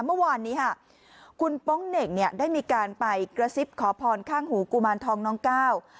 เมื่อวานนี้ค่ะคุณโป๊งเหน่งเนี่ยได้มีการไปกระซิบขอพรข้างหูกุมารทองน้องก้าว